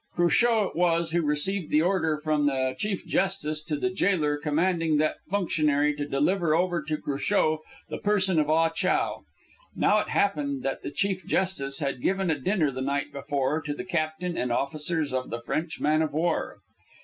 Cruchot it was who received the order from the Chief Justice to the jailer commanding that functionary to deliver over to Cruchot the person of Ah Chow. Now, it happened that the Chief Justice had given a dinner the night before to the captain and officers of the French man of war.